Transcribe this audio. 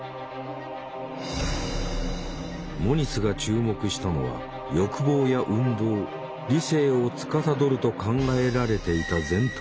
モニスが注目したのは欲望や運動理性をつかさどると考えられていた前頭葉。